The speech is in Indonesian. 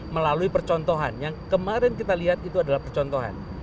melalui percontohan yang kemarin kita lihat itu adalah percontohan